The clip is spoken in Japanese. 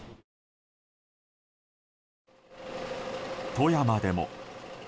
富山でも。